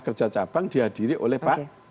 kerja cabang dihadiri oleh pak